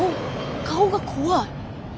顔が怖い。